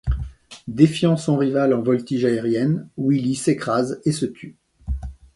Défiant son rival en voltige aérienne, Willi s'écrase et se tue.